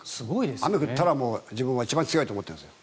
雨が降ったら自分が一番強いと思ってるんですよ。